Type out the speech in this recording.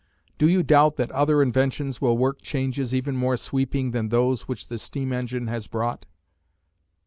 Do you doubt that other inventions will work changes even more sweeping than those which the steam engine has brought?